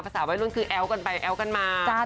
ประสาทไว้รุ่นคือแอ้วกันไปแอ้วกันมา